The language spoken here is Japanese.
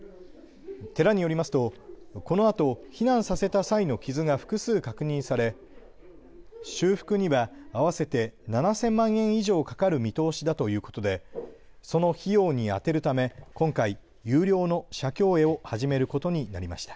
寺によりますと、このあと避難させた際の傷が複数確認され、修復には合わせて７０００万円以上かかる見通しだということでその費用に充てるため、今回、有料の写経会を始めることになりました。